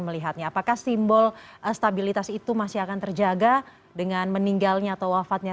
melihatnya apakah simbol stabilitas itu masih akan terjaga dengan meninggalnya atau wafatnya